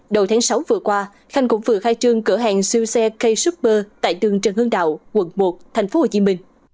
đầu tháng sáu vừa qua khanh cũng vừa khai trương cửa hàng siêu xe k super tại đường trần hương đạo quận một tp hcm